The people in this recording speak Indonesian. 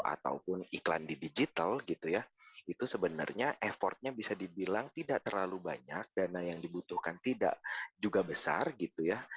ataupun iklan di digital gitu ya itu sebenarnya effortnya bisa dibilang tidak terlalu banyak dana yang dibutuhkan tidak juga besar gitu ya